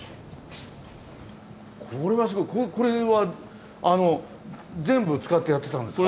これはすごいこれは全部使ってやってたんですか？